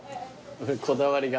こだわりが。